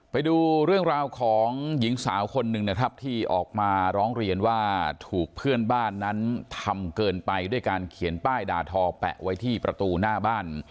ไปดูเรื่องราวของหญิงสาวคนหนึ่งนะครับที่ออกมาร้องเรียนว่าถูกเพื่อนบ้านนั้นทำเกินไปด้วยการเขียนป้ายด่าทอแปะไว้ที่ประตูหน้าบ้าน